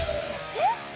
えっ？